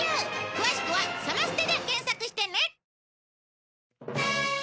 詳しくは「サマステ」で検索してね！